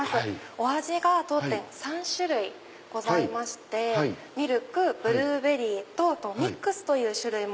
お味が当店３種類ございましてミルクブルーベリーあとミックスという種類も。